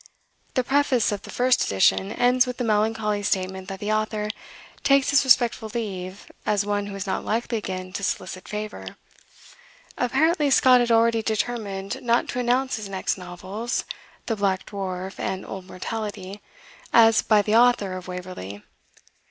The Preface of the first edition ends with the melancholy statement that the author "takes his respectful leave, as one who is not likely again to solicit favour." Apparently Scott had already determined not to announce his next novels ("The Black Dwarf" and "Old Mortality") as "by the Author of Waverley."